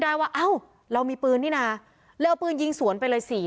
ได้ว่าเอ้าเรามีปืนนี่นะเลยเอาปืนยิงสวนไปเลยสี่